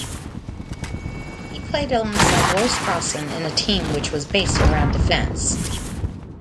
He played alongside Roy Sproson in a team which was based around defence.